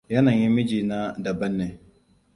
Yanayin mijina da ban ne.